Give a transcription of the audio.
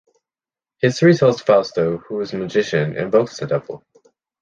History tells Fausto, who is a magician, invokes the Devil.